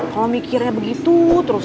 kalau mikirnya begitu terus